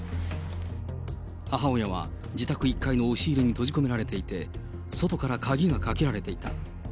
母親は自宅１階の押し入れに閉じ込められていて、外から鍵がかけられていた。